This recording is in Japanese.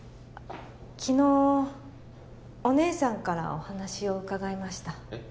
昨日お姉さんからお話を伺いましたえっ？